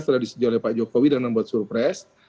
setelah disetujui oleh pak jokowi dan membuat surpres